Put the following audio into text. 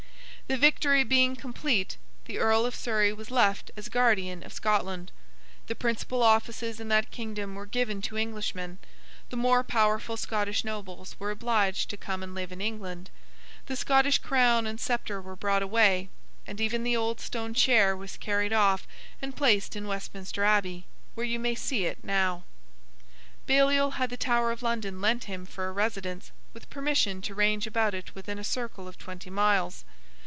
The victory being complete, the Earl of Surrey was left as guardian of Scotland; the principal offices in that kingdom were given to Englishmen; the more powerful Scottish Nobles were obliged to come and live in England; the Scottish crown and sceptre were brought away; and even the old stone chair was carried off and placed in Westminster Abbey, where you may see it now. Baliol had the Tower of London lent him for a residence, with permission to range about within a circle of twenty miles.